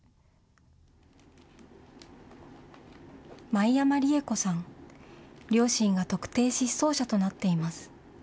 前山利恵子さん、両親が特定失踪者となっています。